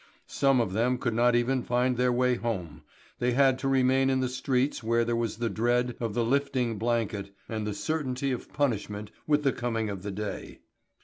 Some of them could not even find their way home, they had to remain in the streets where there was the dread of the lifting blanket and the certainty of punishment with the coming of the day.